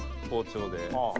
包丁で。